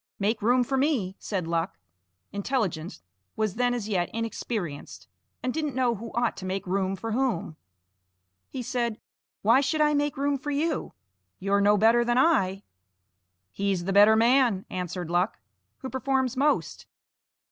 "Make room for me!" said Luck. Intelligence was then as yet inexperienced, and didn't know who ought to make room for whom. He said: "Why should I make room for you? you're no better than I." "He's the better man," answered Luck, "who performs most.